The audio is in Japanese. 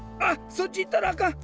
そっちいったらあかん。